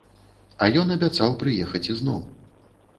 А ён абяцаў прыехаць ізноў.